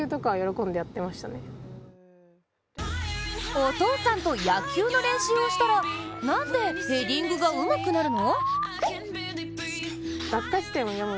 お父さんと野球の練習をしたらなんでヘディングがうまくなるの？